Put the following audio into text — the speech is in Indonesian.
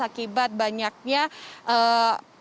akibat banyaknya penyelenggaraan